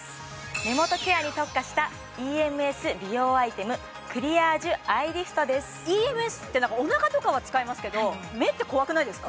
目元ケアに特化したＥＭＳっておなかとかは使いますけど目って怖くないですか？